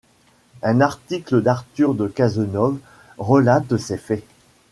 Un article d'Arthur de Cazenove relate ces faits.